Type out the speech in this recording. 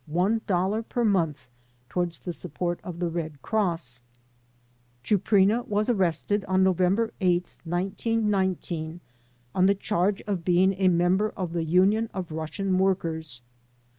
00 per month toward the support of the Red Cross. ChupHna was arrested on November 8, 1919, on the charge of being a member of The Union of Russian Workers.